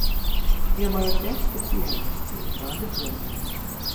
Я маю пяць спецыяльнасцей, два дыпломы.